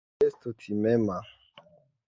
Estu timema.